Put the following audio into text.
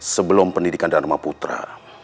sebelum pendidikan dharma putra